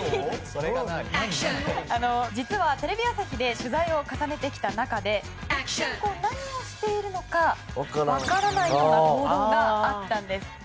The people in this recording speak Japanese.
実は、テレビ朝日で取材を重ねてきた中で何をしているのか分からないような行動があったんです。